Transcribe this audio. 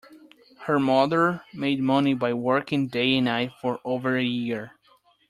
Her mother made money by working day and night for over a year